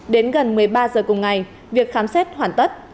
đến gần một mươi ba giờ cùng ngày việc khám xét hoàn tất